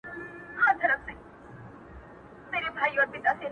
ښېرا چي نه ده زده خو نن دغه ښېرا درته کړم